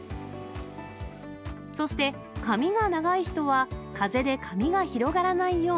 そして、髪が長い人は風で髪が広がらないよう。